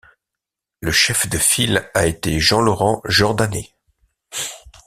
Le chef de file a été Jean-Laurent Jordaney.